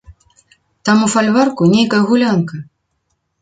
Там у фальварку нейкая гулянка.